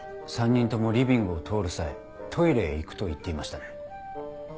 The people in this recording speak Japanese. ３人ともリビングを通る際トイレへ行くと言っていましたね。